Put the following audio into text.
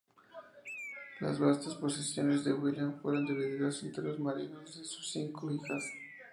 Las vastas posesiones de William fueron divididas entre los maridos de sus cinco hijas.